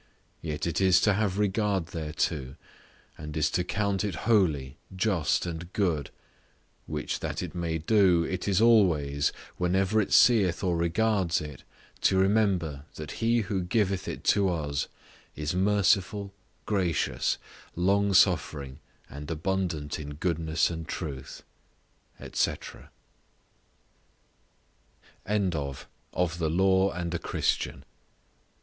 Yet it is to have regard thereto, and is to count it holy, just, and good; which, that it may do, it is always, whenever it seeth or regards it, to remember that he who giveth it to us "is merciful, gracious, long suffering, and abundant in goodness and truth," &c. BUNYAN'S LAST SERMON: PREACHED JULY 1688.